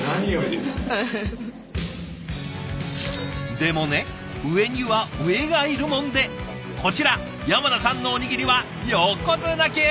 でもね上には上がいるもんでこちら山名さんのおにぎりは横綱級！